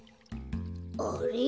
あれ？